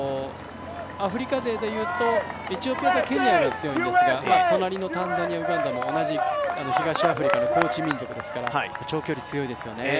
アフリカ勢でいうとケニアが強いんですが隣のタンザニア、ウガンダも同じ東アフリカの高地民族ですから長距離強いですよね。